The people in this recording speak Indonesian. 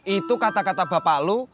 itu kata kata bapak lu